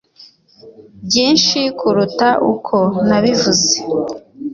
byinshi kuruta uko nabivuze.